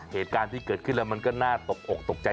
เหตุการณ์ที่เกิดขึ้นแล้วมันก็น่าตกอกตกใจ